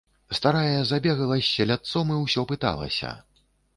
Старая забегала з селядцом і ўсё пыталася.